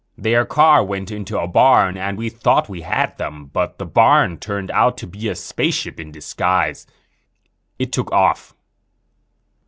Their car went into a barn and we thought we had them. But the barn turned out to be a spaceship in disguise. It took off."